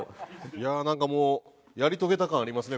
いやあなんかもうやり遂げた感ありますね